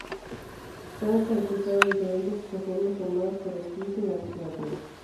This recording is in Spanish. Se han caracterizado diferentes isoformas formadas por splicing alternativo.